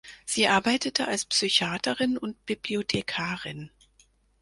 Sie arbeitete als Psychiaterin und Bibliothekarin.